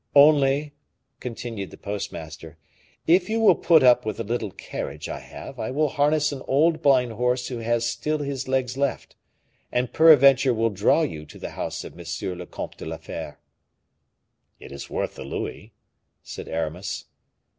"Only," continued the postmaster, "if you will put up with a little carriage I have, I will harness an old blind horse who has still his legs left, and peradventure will draw you to the house of M. le Comte de la Fere." "It is worth a louis," said Aramis.